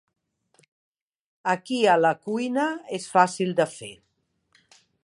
Aquí a la cuina és fàcil de fer.